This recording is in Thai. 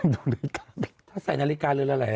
ดูนาฬิกาในรถ